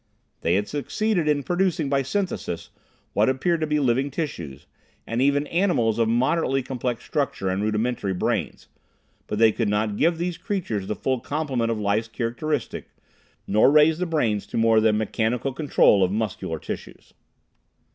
They had succeeded in producing, by synthesis, what appeared to be living tissues, and even animals of moderately complex structure and rudimentary brains, but they could not give these creatures the full complement of life's characteristics, nor raise the brains to more than mechanical control of muscular tissues.